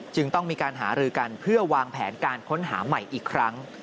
จึงต้องมีการหารือกันเพื่อวางแผนการค้นหาใหม่อีกครั้ง